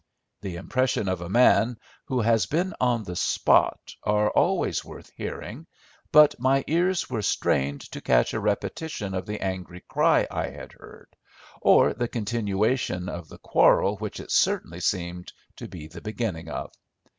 The impressions of a man who has been on the spot are always worth hearing, but my ears were strained to catch a repetition of the angry cry I had heard, or the continuation of the quarrel which it certainly seemed to be the beginning of.